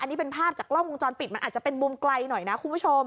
อันนี้เป็นภาพจากกล้องวงจรปิดมันอาจจะเป็นมุมไกลหน่อยนะคุณผู้ชม